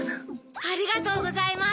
ありがとうございます。